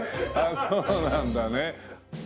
そうなんだね。